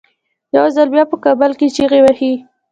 یو ځل بیا په کابل کې چیغې وهي.